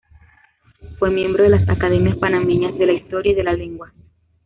Fue miembro de las Academias Panameñas de la Historia y de la Lengua.